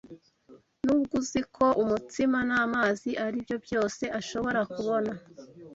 nubwo uzi ko umutsima n'amazi aribyo byose ashobora kubona